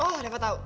oh udah kau tau